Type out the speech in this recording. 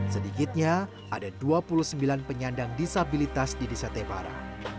sedikitnya ada dua puluh sembilan penyandang disabilitas di desa tebara